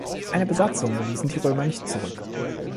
Eine Besatzung ließen die Römer nicht zurück.